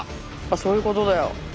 そういうことだよ。